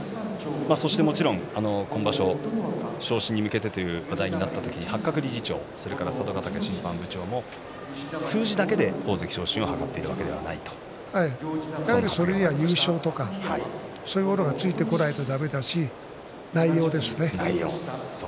そしてもちろん今場所昇進に向けてという話題になっただけに八角理事長それから佐渡ヶ嶽審判部長も数字だけで大関昇進をそれには優勝とかそういうものがついてこないとだめですし、内容ですね。